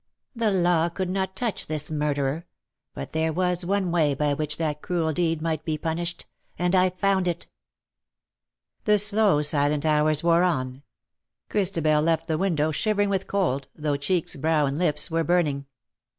The law could not touch 264 " SHE STOOD UP IN BITTER CASE, this murderer — but there was one way by which that cruel deed might be punished, and I found it/' The slow silent hours wore on. Christabel left the window, shivering with cold, though cheeks, brow, and lips were burning.